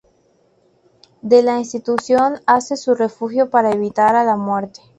De la institución hace su refugio para evitar a la muerte.